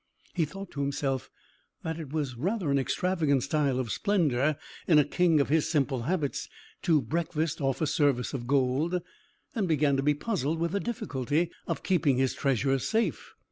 He thought to himself, that it was rather an extravagant style of splendour, in a king of his simple habits, to breakfast off a service of gold, and began to be puzzled with the difficulty of keeping his treasures safe.